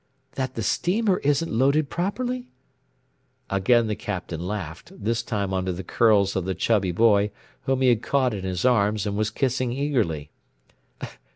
"That the steamer isn't loaded properly?" Again the Captain laughed, this time under the curls of the chubby boy whom he had caught in his arms and was kissing eagerly.